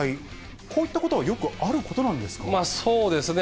こういったことはよくあることなそうですね。